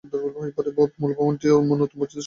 মূল ভবনটি নতুন মসজিদ দ্বারা সংস্করণ করা হয়েছিল।